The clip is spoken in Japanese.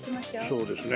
そうですね。